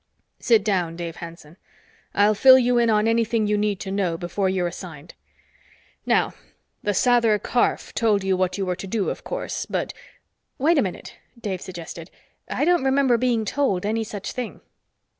"Sit down, Dave Hanson. I'll fill you in on anything you need to know before you're assigned. Now the Sather Karf told you what you were to do, of course, but " "Wait a minute," Dave suggested. "I don't remember being told any such thing."